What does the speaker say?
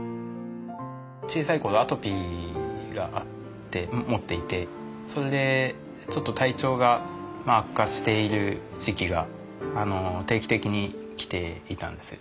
小さい頃アトピーがあってもっていてそれで体調が悪化している時期が定期的に来ていたんです。